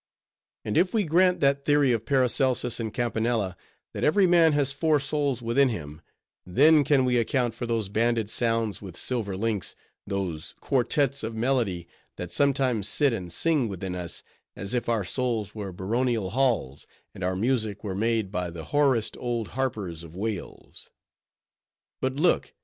And if we grant that theory of Paracelsus and Campanella, that every man has four souls within him; then can we account for those banded sounds with silver links, those quartettes of melody, that sometimes sit and sing within us, as if our souls were baronial halls, and our music were made by the hoarest old harpers of Wales. But look!